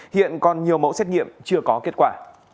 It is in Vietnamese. hiện còn nhiều mẫu xét nghiệm chưa có kết quả